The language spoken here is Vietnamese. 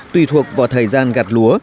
tùy thuộc vào thời gian gạt lúa